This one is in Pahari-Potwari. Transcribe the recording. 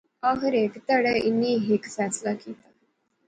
آخر ہیک تہاڑے انی ہیک فیصلہ کیتیا